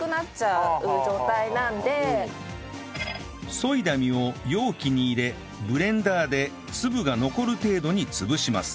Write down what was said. そいだ実を容器に入れブレンダーで粒が残る程度に潰します